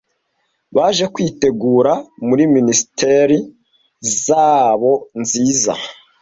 baje kwitegura muri minisiteri zabo nziza